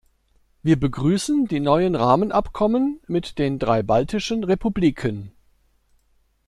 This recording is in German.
Wir begrüßen die neuen Rahmenabkommen mit den drei baltischen Republiken.